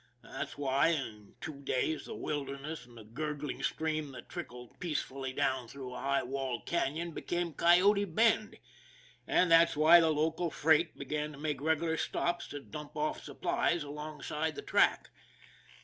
That's why, in two days, the wilderness and a gurgling stream that trickled peace fully down through a high walled canon became Coy ote Bend; and that's why the local freight began to make regular stops to dump off supplies alongside the track.